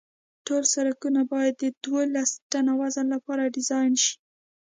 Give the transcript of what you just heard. ټول سرکونه باید د دولس ټنه وزن لپاره ډیزاین شي